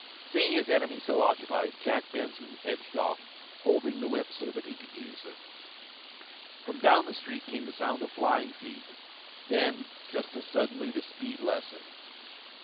Seeing his enemy so occupied, Jack Benson edged off, holding the whip so that he could use it. From down the street came the sound of flying feet. Then, just as suddenly the speed lessened.